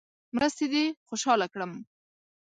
مرستې دې خوشاله کړم.